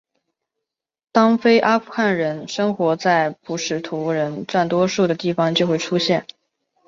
当非阿富汗人生活在普什图人占多数的地方就会出现。